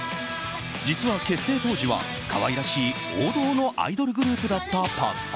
実は、結成当時は可愛らしい王道のアイドルグループだったＰａｓｓＣｏｄｅ。